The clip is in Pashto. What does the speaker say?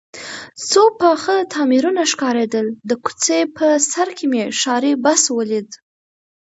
څو پاخه تعمیرونه ښکارېدل، د کوڅې په سر کې مې ښاري بس ولید.